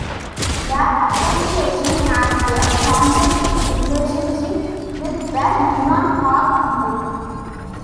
The association has a sponsorship relationship with the Nissan car company.